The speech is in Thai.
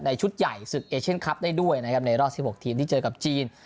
ชุดใหญ่ศึกเอเชียนคลับได้ด้วยนะครับในรอบ๑๖ทีมที่เจอกับจีน